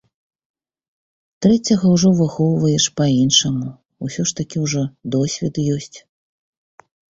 Трэцяга ўжо выхоўваеш па-іншаму, усё ж такі ўжо досвед ёсць.